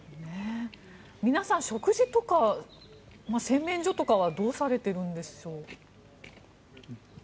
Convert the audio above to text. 皆さん食事とか洗面所とかはどうされてるんでしょう。